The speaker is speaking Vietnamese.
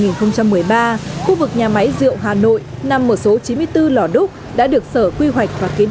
năm hai nghìn một mươi ba khu vực nhà máy rượu hà nội nằm ở số chín mươi bốn lò đúc đã được sở quy hoạch và kiến